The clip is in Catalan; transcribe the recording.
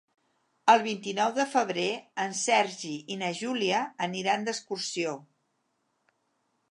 El vint-i-nou de febrer en Sergi i na Júlia aniran d'excursió.